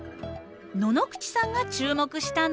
野々口さんが注目したのは？